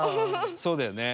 そうだよね。